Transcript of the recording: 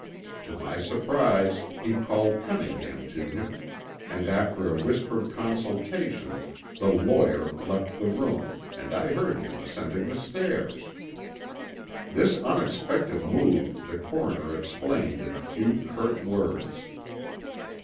To my surprise he called Cunningham to him and after a whispered consultation the lawyer left the room and I heard him ascending the stairs. This unexpected move the coroner explained in a few curt words.